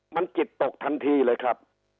มันจิตตกทันทีเลยครับ